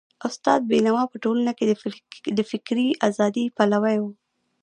استاد بينوا په ټولنه کي د فکري ازادۍ پلوی و.